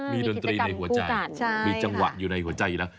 ดนตรีในหัวใจมีจังหวะอยู่ในหัวใจอยู่แล้ว